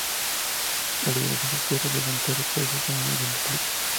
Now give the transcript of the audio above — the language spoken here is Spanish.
La liberación del cierre delantero produce el sonido de "clic".